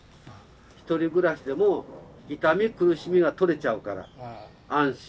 ひとり暮らしでも痛み苦しみが取れちゃうから安心です。